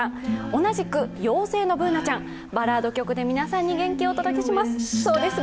同じく妖精のＢｏｏｎａちゃん、バラード曲で皆さんに元気をお届けします。